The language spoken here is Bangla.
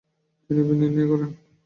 তিনি নির্ণয় করেন।